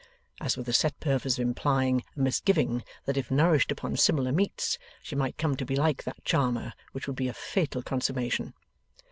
As with a set purpose of implying a misgiving that if nourished upon similar meats, she might come to be like that charmer, which would be a fatal consummation.